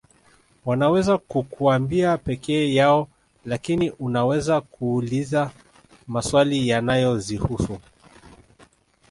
Wanaweza kukuambia pekee yao lakini unaweza kuuliza maswali yanayozihusu